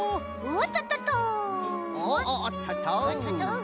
おっとっと。